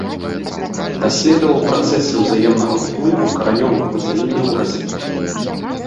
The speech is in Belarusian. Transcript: Даследаваў працэсы ўзаемнага ўплыву каранёвых выдзяленняў раслін.